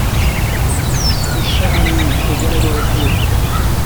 Ce cher ami, te voilà de retour !